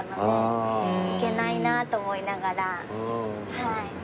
行けないなと思いながらはい。